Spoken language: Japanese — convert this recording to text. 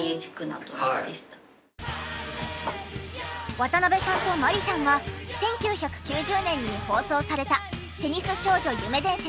渡辺さんと万里さんは１９９０年に放送された『テニス少女夢伝説！